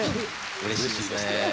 うれしいですね。